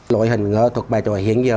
lội hình thuộc bài tròi hiện giờ